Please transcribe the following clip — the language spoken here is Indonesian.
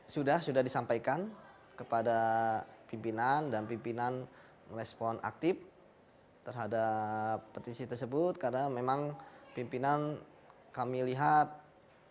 sudah sudah disampaikan kepada pimpinan dan pimpinan merespon aktif terhadap petisi tersebut karena memang pimpinan kami lihat